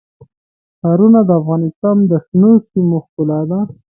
ښارونه د افغانستان د شنو سیمو ښکلا ده.